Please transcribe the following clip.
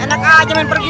anak anak jangan pergi